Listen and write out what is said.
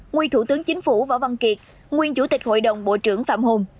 nguyên thủ tướng chính phủ võ văn kiệt nguyên chủ tịch hội đồng bộ trưởng phạm hùng